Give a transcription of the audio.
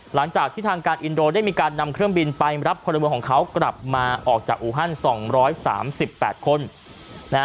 หลังจากที่ทางการอินโดได้มีการนำเครื่องบินไปรับพลเมืองของเขากลับมาออกจากอูฮัน๒๓๘คนนะฮะ